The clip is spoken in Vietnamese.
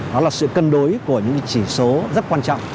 đó là sự cân đối của những chỉ số rất quan trọng